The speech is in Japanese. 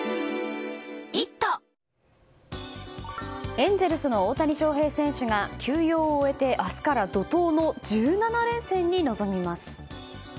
エンゼルスの大谷翔平選手が休養を終えて明日から怒涛の１７連戦に臨みます。